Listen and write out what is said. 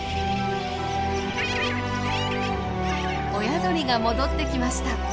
親鳥が戻ってきました。